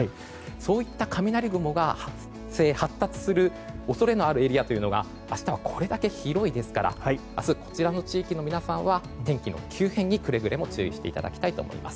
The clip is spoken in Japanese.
そういった雷雲が発達する恐れのあるエリアが明日はこれだけ広いですから明日こちらの地域の皆さんは天気の急変にくれぐれも注意していただきたいと思います。